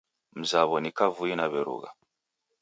Mzaw'o ni kavui na w'erugha